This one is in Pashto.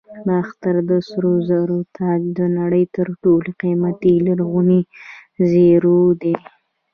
د باختر د سرو زرو تاج د نړۍ تر ټولو قیمتي لرغوني زیور دی